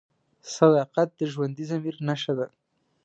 صداقت د ژوندي ضمیر نښه ده.